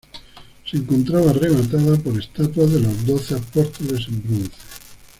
Se encontraba rematada por estatuas de los doce apóstoles en bronce.